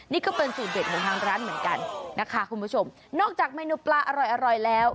นี่ก็เป็นสูตรเด็ดของทางร้านเหมือนกันนะคะคุณผู้ชมนอกจากเมนูปลาอร่อยอร่อยแล้ว